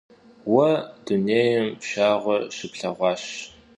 Vue dunêym pşşağue şıplheğuaş.